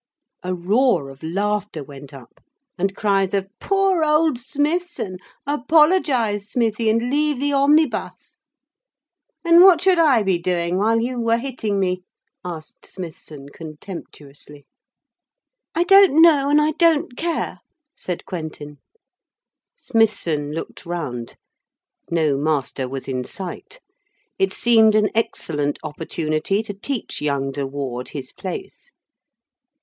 A roar of laughter went up, and cries of, 'Poor old Smithson' 'Apologise, Smithie, and leave the omnibus.' 'And what should I be doing while you were hitting me?' asked Smithson contemptuously. [Illustration: It landed on the point of the chin of Smithson major.] 'I don't know and I don't care,' said Quentin. Smithson looked round. No master was in sight. It seemed an excellent opportunity to teach young de Ward his place.